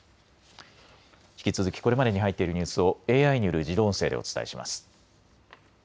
引き続きこれまでに入っているニュースをＡＩによる自動音声でお伝えします。